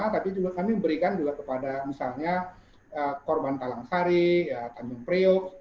tapi juga kami memberikan kepada misalnya korban kalangkari tandung priok